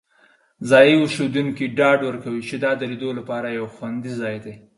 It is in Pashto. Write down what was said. ځایی اوسیدونکي ډاډ ورکوي چې دا د لیدو لپاره یو خوندي ځای دی.